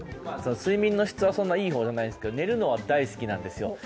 睡眠の質はそんないい方がじゃないんですけど、寝るのは大好きなんですよ。